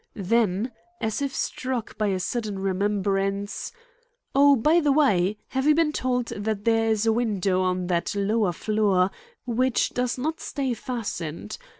Then, as if struck by a sudden remembrance: "Oh, by the way, have you been told that there is a window on that lower floor which does not stay fastened?